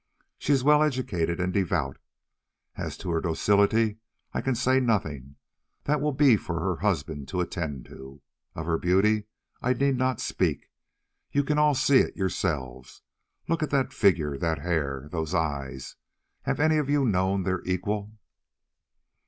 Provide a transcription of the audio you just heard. She is well educated and devout; as to her docility I can say nothing, that will be for her husband to attend to. Of her beauty I need not speak; you can all see it yourselves. Look at that figure, that hair, those eyes; have any of you known their equal?